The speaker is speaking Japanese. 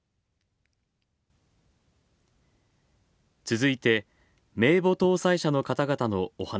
続いて、名簿登載者の方々の、お話です。